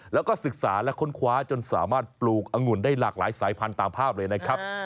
แล้วก็ศึกษาและค้นคว้าจนสามารถปลูกอังุ่นได้หลากหลายสายพันธุ์ตามภาพเลยนะครับ